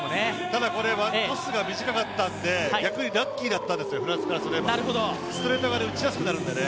ただ、これ、トスが短かったので、逆にラッキーだったんですよ、フランスとしては。ストレートが打ちやすくなるんでね。